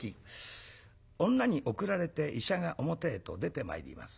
女に送られて医者が表へと出てまいります。